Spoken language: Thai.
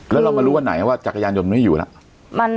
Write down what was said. แล้วเรามารู้วันไหนว่าจักรยานยนต์มันไม่อยู่แล้ว